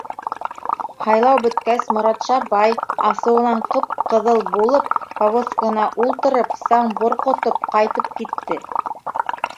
— Һайлау бөткәс, Моратша бай, асыуынан ҡып-ҡыҙыл булып, повозкаһына ултырып, саң борҡотоп ҡайтып китте.